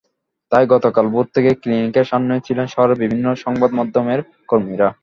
তাই গতকাল ভোর থেকেই ক্লিনিকের সামনে ছিলেন শহরের বিভিন্ন সংবাদমাধ্যমের কর্মীরা।